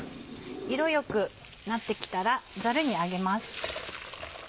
色よくなってきたらザルに上げます。